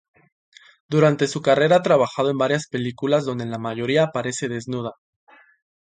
Durante su carrera ha trabajado en varias películas donde en la mayoría aparece desnuda.